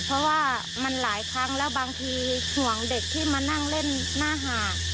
เพราะว่ามันหลายครั้งแล้วบางทีห่วงเด็กที่มานั่งเล่นหน้าหาด